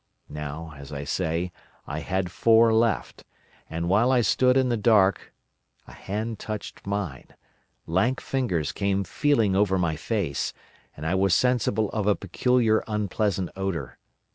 Now, as I say, I had four left, and while I stood in the dark, a hand touched mine, lank fingers came feeling over my face, and I was sensible of a peculiar unpleasant odour.